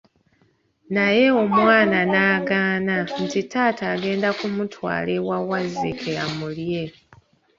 Naye omwana nagaana nti taata agenda kumutwala ewa Wazzike amulye.